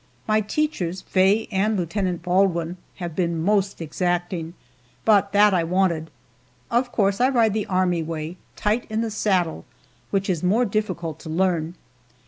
My teachers, Faye and Lieutenant Baldwin, have been most exacting, but that I wanted. Of course I ride the army way, tight in the saddle, which is more difficult to learn.